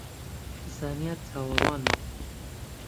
زانیار چاوەڕوانمە